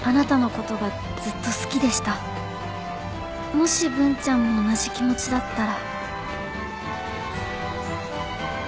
「もし文ちゃんも同じ気持ちだったら」